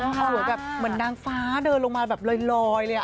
สวยแบบเหมือนนางฟ้าเดินลงมาแบบลอยเลยอ่ะ